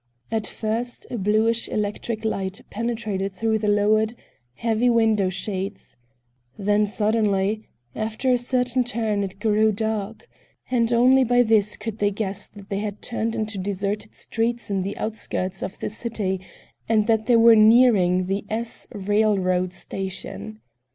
At first a bluish electric light penetrated through the lowered, heavy window shades; then suddenly, after a certain turn it grew dark, and only by this could they guess that they had turned into deserted streets in the outskirts of the city and that they were nearing the S. railroad station.